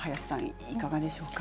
いかがでしょうか。